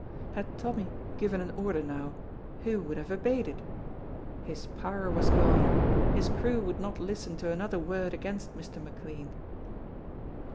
Had Tommy given an order now, who would have obeyed it? His power was gone, his crew would not listen to another word against Mr. McLean.